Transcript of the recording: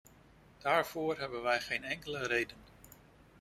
Daarvoor hebben wij geen enkele reden.